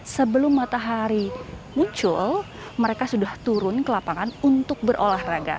sebelum matahari muncul mereka sudah turun ke lapangan untuk berolahraga